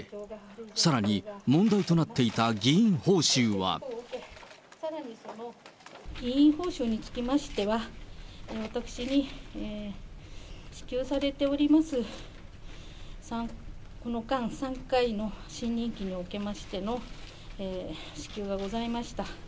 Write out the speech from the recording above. さらに、問題となっていた議員報酬は。議員報酬につきましては、私に支給されております、この間、３回の新任期を受けましての支給がございました。